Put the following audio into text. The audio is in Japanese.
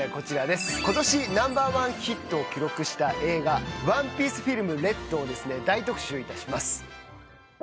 ことしナンバーワンヒットを記録した映画『ＯＮＥＰＩＥＣＥＦＩＬＭＲＥＤ』を大特集いたします。